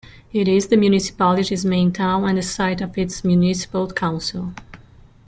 It is the municipality's main town and the site of its municipal council.